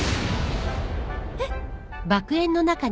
えっ？